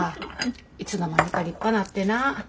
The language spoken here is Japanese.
いつの間にか立派なってな。